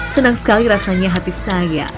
senang sekali rasanya hati saya